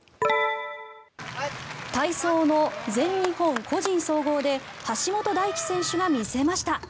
体操の全日本個人総合で橋本大輝選手が見せました。